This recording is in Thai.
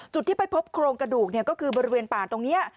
จุดที่ไปพบโครงกระดูกก็คือบริเวณป่าตรงนี้